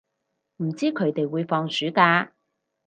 唔知佢哋會放暑假